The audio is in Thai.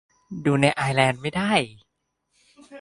ดูในไอร์แลนด์ไม่ได้